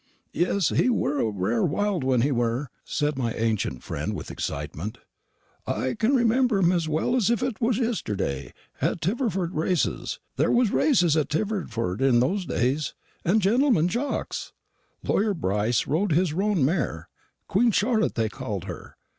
"Yes, he were a rare wild one, he were," said my ancient friend with excitement. "I can remember him as well as if it was yesterday, at Tiverford races there was races at Tiverford in those days, and gentlemen jocks. Lawyer Brice rode his roan mare Queen Charlotte they called her.